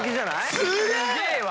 すげえわ。